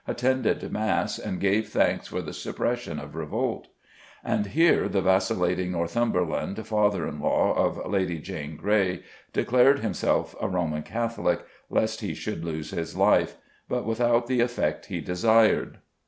attended Mass and gave thanks for the suppression of revolt; and here the vacillating Northumberland, father in law of Lady Jane Grey, declared himself a Roman Catholic lest he should lose his life, but without the effect he desired.